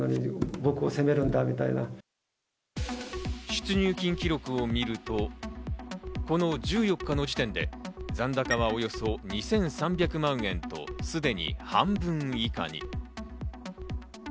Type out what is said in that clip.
出入金記録を見ると、この１４日の時点で残高はおよそ２３００万円と、すでに半分以下に。